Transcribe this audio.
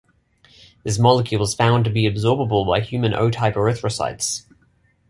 This molecule was found to be absorbable by human O-type erythrocytes.